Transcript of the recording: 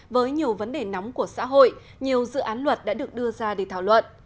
với nhiều vấn đề nóng của xã hội nhiều dự án luật đã được đưa ra để thảo luận